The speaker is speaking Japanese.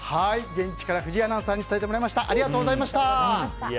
現地から藤井アナウンサーに伝えてもらいました。